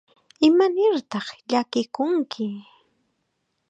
¿Imanirtaq llakikunki?